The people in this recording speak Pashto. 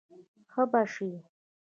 ښه به شې.